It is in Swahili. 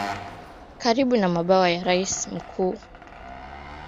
Karibu na mabwawa ya Ras Mkumbuu yanarudi